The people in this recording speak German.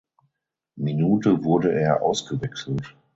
Minute wurde er ausgewechselt.